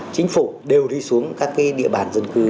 chính phủ đều đi xuống các địa bàn dân cư